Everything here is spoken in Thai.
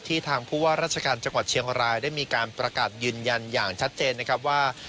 ทางผู้ว่าราชการจังหวัดเชียงรายได้มีการประกาศยืนยันอย่างชัดเจนนะครับว่า